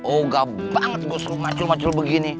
oga banget gua suruh macul macul begini